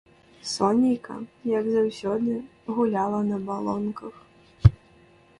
Сонейка, як заўсёды, гуляла на балонках.